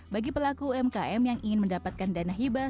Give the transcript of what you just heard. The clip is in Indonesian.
bagi pelaku umkm yang ingin mendapatkan dana hibah